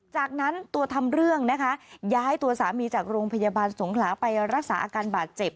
จากนั้นตัวทำเรื่องนะคะย้ายตัวสามีจากโรงพยาบาลสงขลาไปรักษาอาการบาดเจ็บ